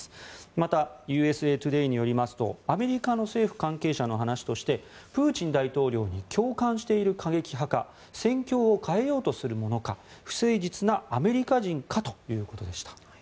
また、ＵＳＡトゥデーによりますとアメリカの政府関係者の話としてプーチン大統領に共感している過激派か戦況を変えようとする者か不誠実なアメリカ人かということでした。